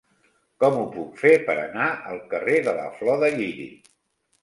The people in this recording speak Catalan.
Com ho puc fer per anar al carrer de la Flor de Lliri?